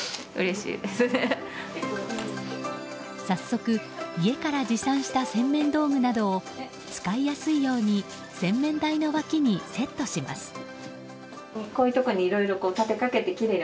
早速、家から持参した洗面道具などを使いやすいように洗面台の脇にセットします。